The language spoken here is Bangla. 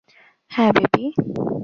হ্যা, বেবি!